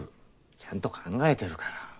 ちゃんと考えてるから。